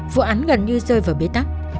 vụ án gần như rơi vào bế tắc